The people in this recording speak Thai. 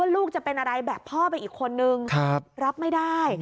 ลูกจะเป็นอะไรแบบพ่อไปอีกคนนึงรับไม่ได้